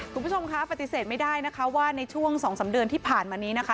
คุณผู้ชมคะปฏิเสธไม่ได้นะคะว่าในช่วง๒๓เดือนที่ผ่านมานี้นะคะ